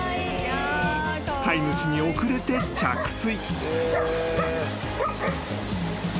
［飼い主に遅れて着水］